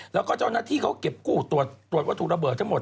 แล้วก็เจ้าหน้าที่เขาเก็บกู้ตรวจวัตถุระเบิดทั้งหมด